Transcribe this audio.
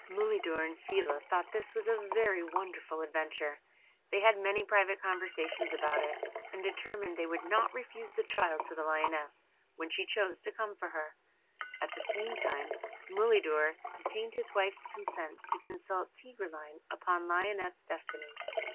Mulidor and Phila thought this was a very wonderful adventure; they had many private conversations about it, and determined they would not refuse the child to the Lioness, when she chose to come for her; at the same time, Mulidor obtained his wife's consent to consult Tigreline upon Lionette's destiny.